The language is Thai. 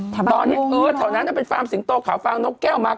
ถือว่าเท่านั้นน่ะเป็นฟาร์มสิงโตขาวฟาร์มนกแก้วมาแล้ว